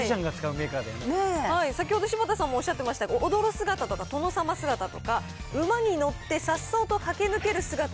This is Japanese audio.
先ほど柴田さんもおっしゃってました、踊る姿とか、殿様姿とか、馬に乗ってさっそうと駆け抜ける姿。